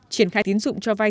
triển khai tiến dụng cho vay